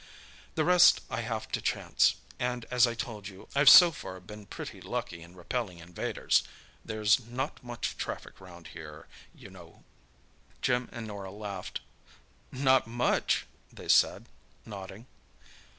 The rest I have to chance, and, as I told you, I've so far been pretty lucky in repelling invaders. There's not much traffic round here, you know!" Jim and Norah laughed. "Not much," they said, nodding.